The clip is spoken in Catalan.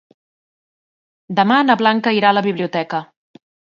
Demà na Blanca irà a la biblioteca.